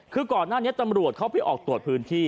คือก่อนหน้านี้ตำรวจเขาไปออกตรวจพื้นที่